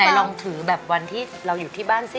ลองถือแบบวันที่เราอยู่ที่บ้านสิ